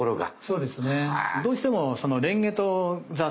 そうですよね。